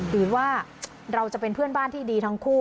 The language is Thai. หรือว่าเราจะเป็นเพื่อนบ้านที่ดีทั้งคู่